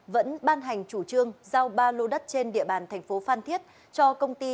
vẫn ban hành chủ trương giao ba lô đất trên địa bàn tp phan thiết cho công ty